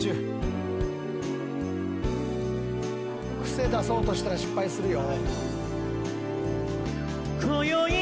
癖出そうとしたら失敗するよ。